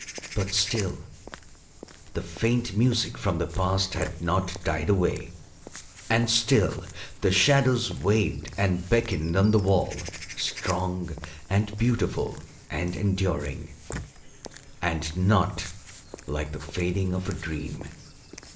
But still the faint music from the Past had not died away, and still the shadows waved and beckoned on the wall, strong and beautiful, and enduring, and not like the fading of a dream.